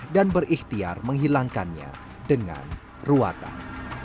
dan berikhtiar menghilangkannya dengan ruatan